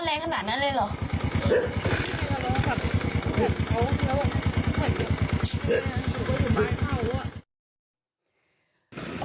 เดินอยู่ริมถนนตอนดึก